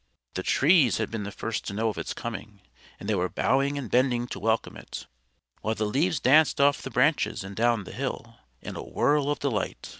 The trees had been the first to know of its coming, and they were bowing and bending to welcome it; while the leaves danced off the branches and down the hill, in a whirl of delight.